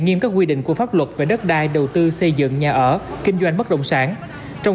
nghiêm các quy định của pháp luật về đất đai đầu tư xây dựng nhà ở kinh doanh bất động sản trong